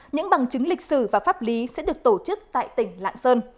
những bằng chứng lịch sử và pháp lý sẽ được tổ chức tại tỉnh lạc